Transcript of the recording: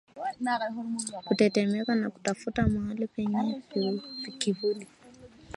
Kutetemeka na kutafuta mahali penye kivuli